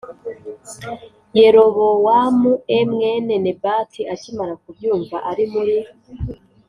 Yerobowamu e mwene nebati akimara kubyumva ari muri